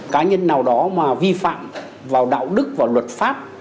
cá nhân nào đó mà vi phạm vào đạo đức và luật pháp